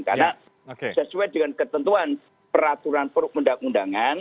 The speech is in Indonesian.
karena sesuai dengan ketentuan peraturan perundang undangan